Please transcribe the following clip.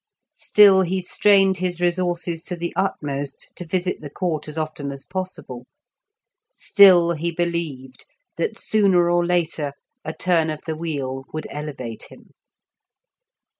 Still he strained his resources to the utmost to visit the Court as often as possible; still he believed that sooner or later a turn of the wheel would elevate him.